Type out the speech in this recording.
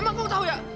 emang kong tahu ya